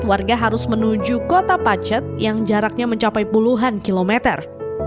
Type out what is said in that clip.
warga harus menuju kota pacet yang jaraknya mencapai puluhan kilometer